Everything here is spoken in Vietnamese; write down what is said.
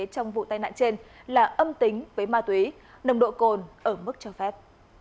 trong vụ tai nạn trên là âm tính với ma túy nồng độ cồn ở mức cho phép